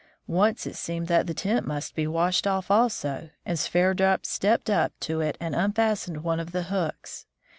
Once it seemed that the tent must be washed off also, and Sverdrup stepped up to it and unfastened one of the hooks.